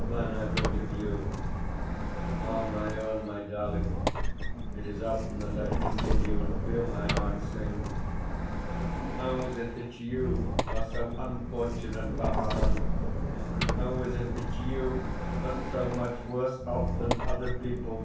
Then I thought of you. Ah, my own, my darling, it is often that I think of you and feel my heart sink. How is it that YOU are so unfortunate, Barbara? How is it that YOU are so much worse off than other people?